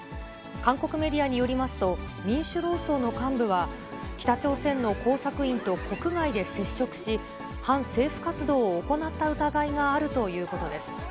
韓国メディアによりますと、民主労総の幹部が、北朝鮮の工作員と国外で接触し、反政府活動を行った疑いがあるということです。